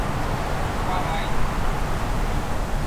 Quaraí